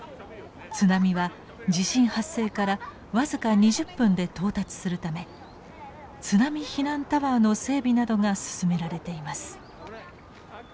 津波は地震発生から僅か２０分で到達するため津波避難タワーの整備などが進められています。